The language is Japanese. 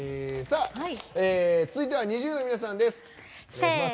続いてはＮｉｚｉＵの皆さんです。